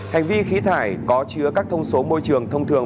hành vi khí thải có chứa các thông số môi trường thông thường